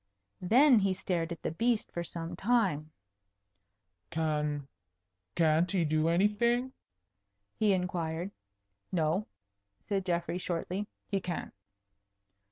Then he stared at the beast for some time. "Can can't he do anything?" he inquired. "No," said Geoffrey shortly; "he can't."